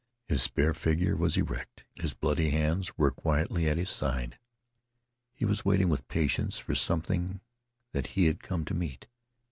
His spare figure was erect; his bloody hands were quietly at his side. He was waiting with patience for something that he had come to meet.